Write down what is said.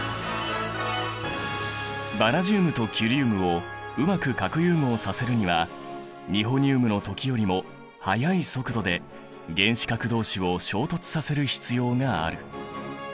バナジウムとキュリウムをうまく核融合させるにはニホニウムの時よりも速い速度で原子核同士を衝突させる必要がある。